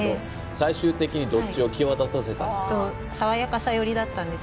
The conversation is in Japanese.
最終的にどっちを際立たせたんですか？